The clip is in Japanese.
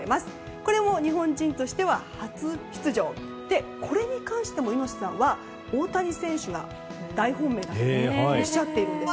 これも日本人としては初出場でこれに関しても猪瀬さんは大谷選手が大本命だとおっしゃっているんです。